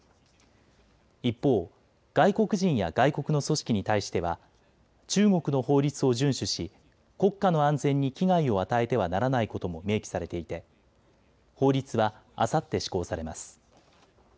一方、外国人や外国の組織に対しては中国の法律を順守し国家の安全に危害を与えてはならないことも明記されていて法律はあさって施行されます。